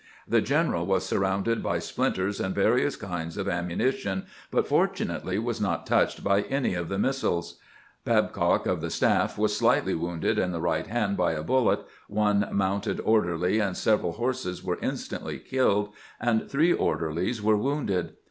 The general was surrounded by splinters and various kinds of ammunition, but fortunately was not touched by any of the missiles. Babeock of the staff was slightly wounded in the right hand by a bullet, one mounted orderly and several horses were instantly killed, and IS 274 CAMPAIGNING "WITH GRANT three orderlies were wounded.